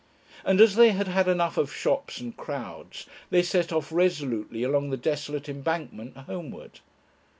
And as they had had enough of shops and crowds they set off resolutely along the desolate Embankment homeward.